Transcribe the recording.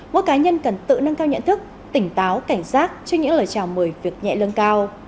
mỗi cá nhân cần tự nâng cao nhận thức tỉnh táo cảnh giác cho những lời chào mời việc nhẹ lương cao